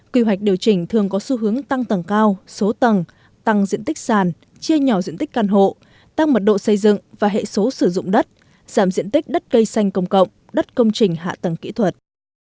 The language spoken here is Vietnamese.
quy hoạch điều chỉnh thường có xu hướng tăng tầng cao số tầng tăng diện tích sàn chia nhỏ diện tích căn hộ tăng mật độ xây dựng và hệ số sử dụng đất giảm diện tích đất cây xanh công cộng đất công trình hạ tầng kỹ thuật